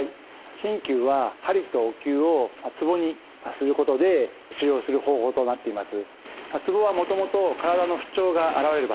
鍼灸は鍼とお灸をツボにすることで治療する方法となっています。